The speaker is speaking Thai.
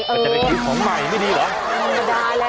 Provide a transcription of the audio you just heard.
มันจะเป็นพิษของใหม่ไม่ดีหรอ